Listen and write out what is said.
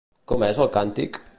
Com és el càntic?